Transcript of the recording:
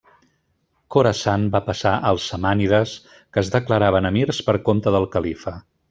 Khorasan va passar als samànides que es declaraven emirs per compte del califa.